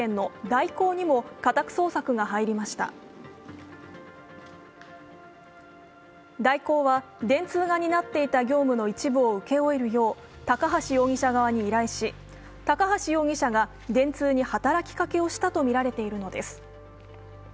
大広は、電通が担っていた業務の一部を請け負えるよう、高橋容疑者側に依頼し、高橋容疑者が電通に働きかけをしたとみられているのです。